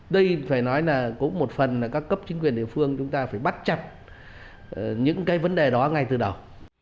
đây phải nói là cũng một phần là các cấp chính quyền địa phương chúng ta phải bắt chặt những cái vấn đề đó ngay từ đầu